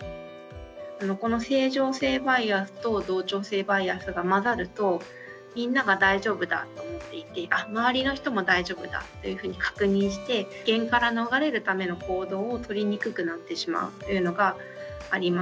この正常性バイアスと同調性バイアスが混ざるとみんなが大丈夫だと思っていてあっ周りの人も大丈夫だというふうに確認して危険から逃れるための行動をとりにくくなってしまうというのがあります。